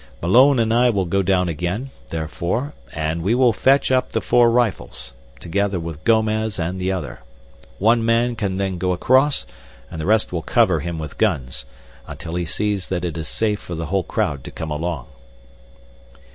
Malone and I will go down again, therefore, and we will fetch up the four rifles, together with Gomez and the other. One man can then go across and the rest will cover him with guns, until he sees that it is safe for the whole crowd to come along."